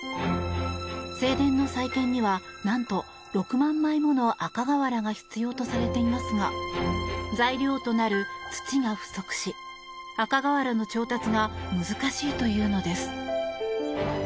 正殿の再建には何と６万枚もの赤瓦が必要とされていますが材料となる土が不足し赤瓦の調達が難しいというのです。